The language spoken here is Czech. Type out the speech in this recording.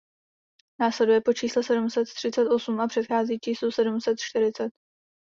Následuje po čísle sedm set třicet osm a předchází číslu sedm set čtyřicet.